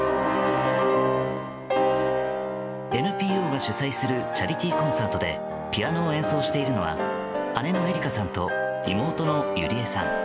ＮＰＯが主催するチャリティコンサートでピアノを演奏しているのは姉のえりかさんと妹のゆりえさん。